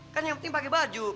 kan yang penting pakai baju